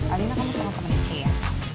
alina kamu tolong kemenin kei ya